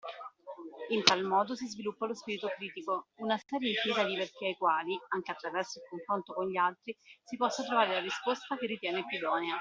In tal modo si sviluppa lo spirito critico, una serie infinita di perché ai quali, anche attraverso il confronto con gli altri, si possa trovare la risposta che ritiene più idonea.